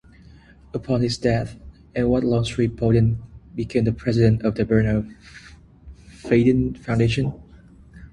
Upon his death, Edward Longstreet Bodin became the president of the Bernarr Macfadden Foundation.